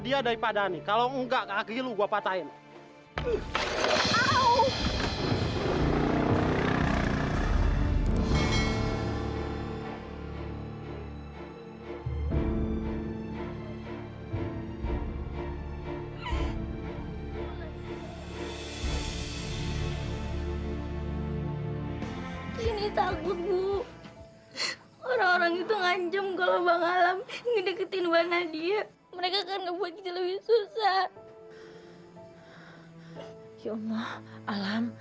ya allah alam